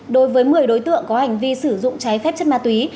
đối với một mươi đối tượng có hành vi sử dụng trái phép chất ma túy